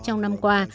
trong năm qua